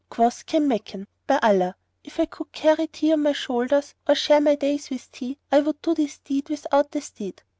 Quoth Kanmakan, By Allah, if I could carry thee on my shoulders or share my days with thee, I would do this deed without the steed!